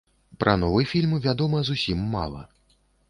Пра новы фільм вядома зусім мала.